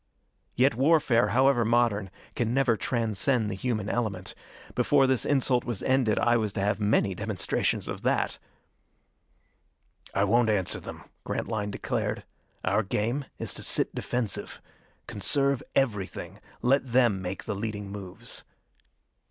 Yet warfare, however modern, can never transcend the human element. Before this insult was ended I was to have many demonstrations of that! "I won't answer them," Grantline declared. "Our game is to sit defensive. Conserve everything. Let them make the leading moves."